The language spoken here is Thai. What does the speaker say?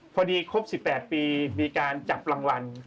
ครบ๑๘ปีมีการจับรางวัล